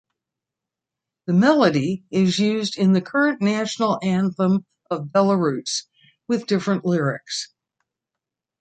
The melody is used in the current national anthem of Belarus, with different lyrics.